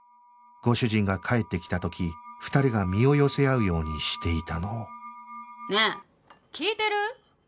ご主人が帰ってきた時２人が身を寄せ合うようにしていたのをねえ聞いてる？